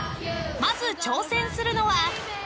まず挑戦するのは。